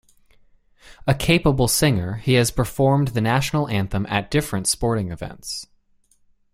A capable singer, he has performed the national anthem at different sporting events.